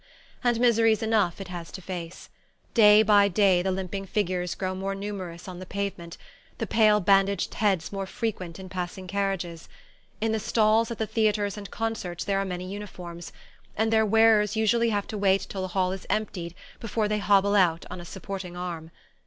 And miseries enough it has to face. Day by day the limping figures grow more numerous on the pavement, the pale bandaged heads more frequent in passing carriages. In the stalls at the theatres and concerts there are many uniforms; and their wearers usually have to wait till the hall is emptied before they hobble out on a supporting arm.